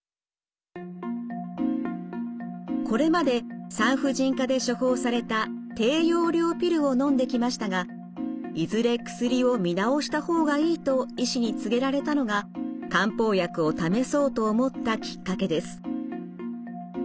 これまで産婦人科で処方された低用量ピルをのんできましたがいずれ薬を見直した方がいいと医師に告げられたのが漢方薬を試そうと思ったきっかけです。